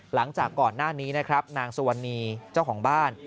หลังจากก่อนหน้านี้นะครับนางสุวรรณีเจ้าของบ้าน